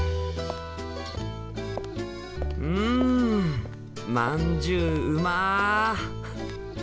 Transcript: うんまんじゅううま！